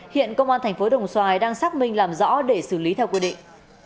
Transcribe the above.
hiện công an tp đồng xoài đang xác minh làm rõ để xử lý theo quy định